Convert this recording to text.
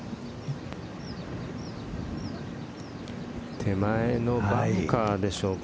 手前のバンカーでしょうか。